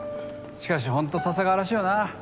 しかしほんと笹川らしいよな。